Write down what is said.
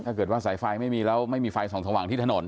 สายไฟไม่มีแล้วไม่มีไฟส่องสว่างที่ถนน